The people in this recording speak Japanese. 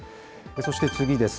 そして次です。